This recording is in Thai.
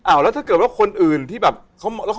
อ้าวแล้วถ้าเกิดว่าคนอื่นที่แบบ